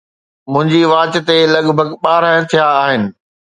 منهنجي واچ تي لڳ ڀڳ ٻارهن ٿيا آهن